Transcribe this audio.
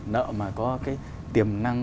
nợ mà có cái tiềm năng